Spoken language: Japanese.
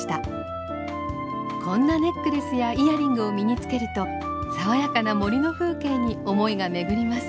こんなネックレスやイヤリングを身につけると爽やかな森の風景に思いが巡ります。